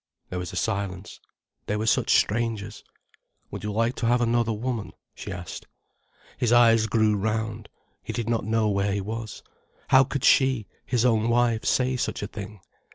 There was a silence. They were such strangers. "Would you like to have another woman?" she asked. His eyes grew round, he did not know where he was. How could she, his own wife, say such a thing?